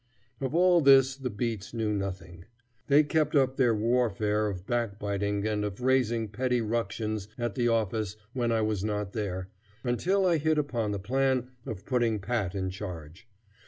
Of all this the beats knew nothing. They kept up their warfare of backbiting and of raising petty ructions at the office when I was not there, until I hit upon the plan of putting Pat in charge.